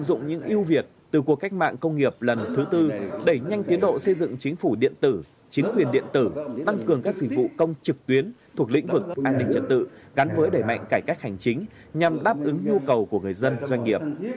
ứng dụng những yêu việt từ cuộc cách mạng công nghiệp lần thứ tư đẩy nhanh tiến độ xây dựng chính phủ điện tử chính quyền điện tử tăng cường các dịch vụ công trực tuyến thuộc lĩnh vực an ninh trật tự gắn với đẩy mạnh cải cách hành chính nhằm đáp ứng nhu cầu của người dân doanh nghiệp